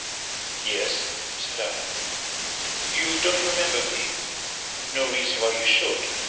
"Yes," said I. "You don't remember me. No reason why you should.